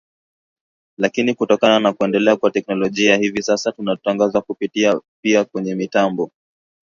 lakini kutokana na kuendelea kwa teknolojia hivi sasa tunatangaza kupitia pia kwenye mitambo